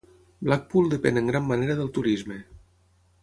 Blackpool depèn en gran manera del turisme.